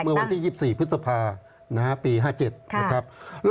เมื่อวันที่๒๔พฤษภาปี๕๗นะครับ